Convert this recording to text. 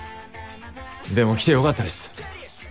でも来て良かったです。